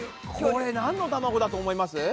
これなんの卵だと思います？